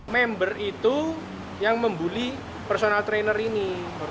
member itu yang membuli personal trainer ini